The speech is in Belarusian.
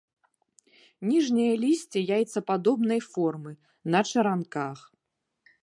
Ніжняе лісце яйцападобнай формы, на чаранках.